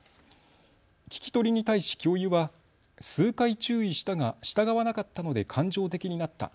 聞き取りに対し教諭は数回注意したが従わなかったので感情的になった。